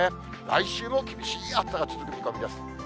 来週も厳しい暑さが続く見込みです。